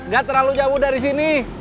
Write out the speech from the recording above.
gak terlalu jauh dari sini